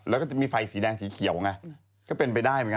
แล้วก็จะมีไฟสีแดงสีเขียวไงก็เป็นไปได้เหมือนกัน